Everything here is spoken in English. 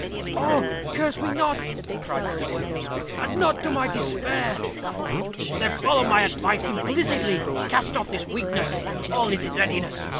"Oh, curse me not!" cried Sybil. "Add not to my despair." "Then follow my advice implicitly. Cast off this weakness; all is in readiness.